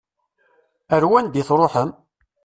Ar wanda i tṛuḥem?